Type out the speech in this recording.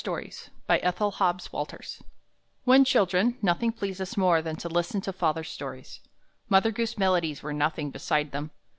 ONE OF FATHER'S STORIES When children, nothing pleased us more than to listen to father's stories. Mother Goose melodies were nothing beside them.